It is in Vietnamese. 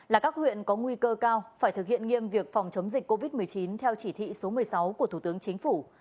là các huyện có nguy cơ cao phải thực hiện nghiêm việc phòng chống dịch covid một mươi chín theo chỉ thị số một mươi sáu của thủ tướng chính phủ